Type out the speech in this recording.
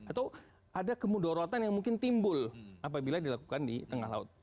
atau ada kemudorotan yang mungkin timbul apabila dilakukan di tengah laut